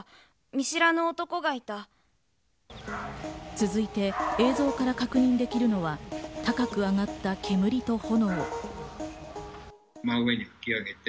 続いて映像から確認できるのは、高く上がった煙と炎。